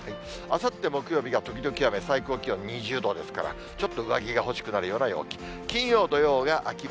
あさって木曜日が時々雨、最高気温２０度ですから、ちょっと上着が欲しくなるような陽気。